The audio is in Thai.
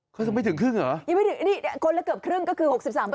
เขายังไม่ถึงครึ่งเหรอยังไม่ถึงนี่คนละเกือบครึ่งก็คือ๖๓